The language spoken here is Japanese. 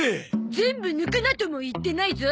全部抜くなとも言ってないゾ。